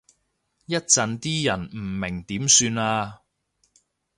一陣啲人唔明點算啊？